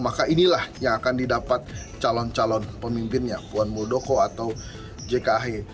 maka inilah yang akan didapat calon calon pemimpinnya puan buldoko atau jk ahy